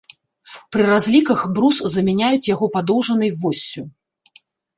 Пры разліках брус замяняюць яго падоўжнай воссю.